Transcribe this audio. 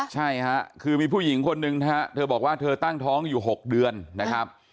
ใช่ค่ะคือมีผู้หญิงคนหนึ่งนะฮะเธอบอกว่าเธอตั้งท้องอยู่๖เดือนนะครับ